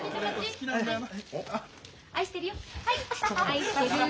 愛してるよ。